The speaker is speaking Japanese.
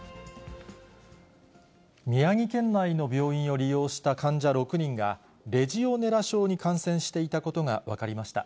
宮城県内の病院を利用した患者６人が、レジオネラ症に感染していたことが分かりました。